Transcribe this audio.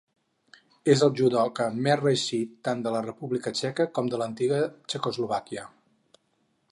És el judoka més reeixit tant de la República Txeca com de l'antiga Txecoslovàquia.